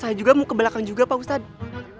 saya juga mau ke belakang juga pak ustadz